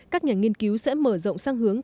các nhà nghiên cứu sẽ mở rộng sang hướng